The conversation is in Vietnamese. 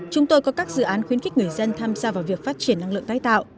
chúng tôi có các dự án khuyến khích người dân tham gia vào việc phát triển năng lượng tái tạo